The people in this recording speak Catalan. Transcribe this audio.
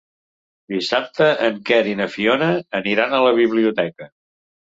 Dissabte en Quer i na Fiona aniran a la biblioteca.